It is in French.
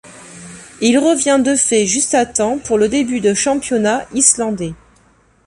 Il revient de fait juste à temps pour le début de championnat islandais.